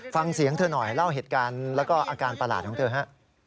ฟังเสียงเธอหน่อยเล่าเหตุการณ์แล้วก็อาการประหลาดของเธอฮะ